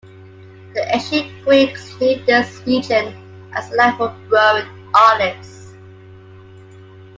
The ancient Greeks knew this region as a land for growing olives.